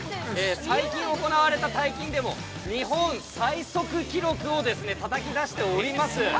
最近行われた大会でも、日本最速記録をたたき出しております。